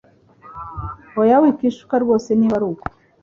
Oya wikwishuka rwose niba aruko